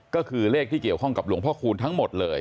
ก็คือเลขที่เกี่ยวข้องกับหลวงพ่อคูณทั้งหมดเลย